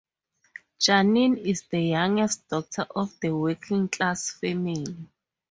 Janine is the youngest daughter of a working-class family.